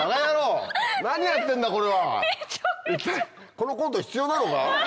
このコント必要なのか？